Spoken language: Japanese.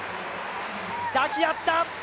抱き合った！